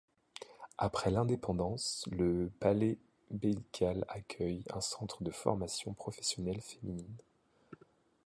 Après l'indépendance, le palais beylical accueille un centre de formation professionnelle féminine.